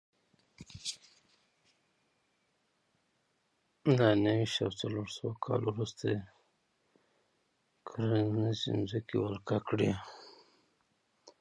له نهه ویشت او څلور سوه کال وروسته د کرنیزې ځمکې ولکه کړې